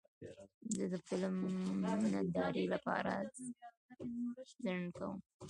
زه د فلم نندارې لپاره ځنډ کوم.